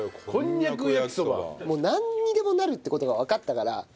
もうなんにでもなるって事がわかったから。